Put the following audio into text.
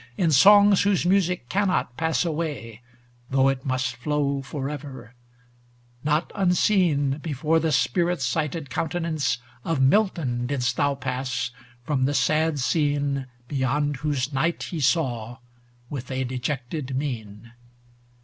In songs whose music cannot pass away, Though it must flow forever; not un seen Before the spirit sighted countenance Of Milton didst thou pass, from the sad scene Beyond whose night he saw, with a de jected mien.